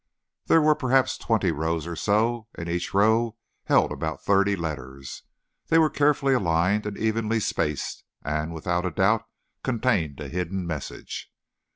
There were perhaps twenty rows or so, and each row held about thirty letters. They were carefully aligned and evenly spaced, and, without doubt, contained a hidden message.